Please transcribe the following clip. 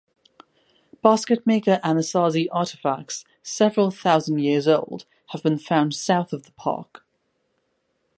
Basketmaker Anasazi artifacts several thousand years old have been found south of the park.